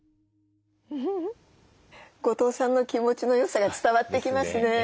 後藤さんの気持ちのよさが伝わってきますね。